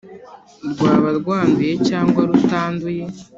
rwaba rwanduye cyangwa rutanduye.